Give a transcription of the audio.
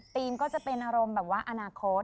ก็จะเป็นอารมณ์แบบว่าอนาคต